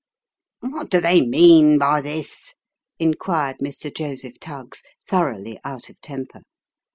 " What do they mean by this ?" inquired Mr. Joseph Tuggs, thoroughly out of temper.